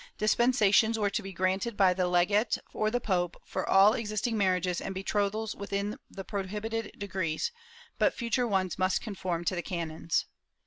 Dis pensations were to be granted by the legate or the pope for all existing marriages and betrothals within the prohibited degrees, but future ones must conform to the canons.